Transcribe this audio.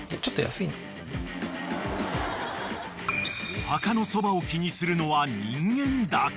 ［お墓のそばを気にするのは人間だけ］